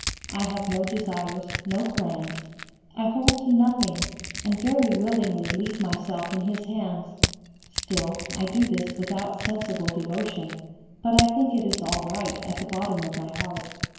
I have no desires, no plans; I hold to nothing, and very willingly leave myself in His hands; still, I do this without sensible devotion, but I think it is all right at the bottom of my heart.